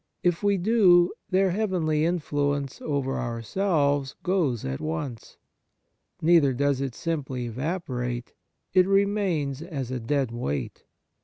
If we do, their heavenly influence over ourselves goes at once. Neither does it simply evaporate ; it remains as a dead weight.